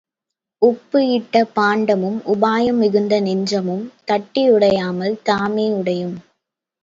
உப்பு இட்ட பாண்டமும் உபாயம் மிகுந்த நெஞ்சமும் தட்டி உடையாமல் தாமே உடையும்.